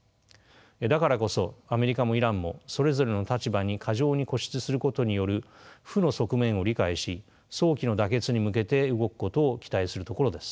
だからこそアメリカもイランもそれぞれの立場に過剰に固執することによる負の側面を理解し早期の妥結に向けて動くことを期待するところです。